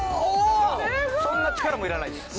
そんな力もいらないです。